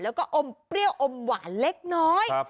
แล้วก็อมเปรี้ยวอมหวานเล็กน้อย